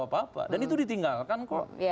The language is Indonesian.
apa apa dan itu ditinggalkan kok